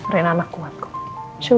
renang anak kuat kok